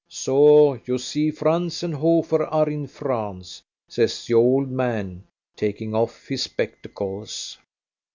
So you see Franz and Hofer are in France," says the old man, taking off his spectacles.